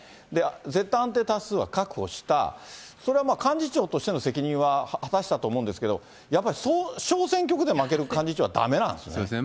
絶対安定多数は確保した、それは幹事長としての責任は果たしたと思うんですけど、やっぱり小選挙区で負ける幹事長はだめなんですね。